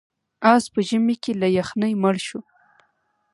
اس په ژمي کې له یخنۍ مړ شو.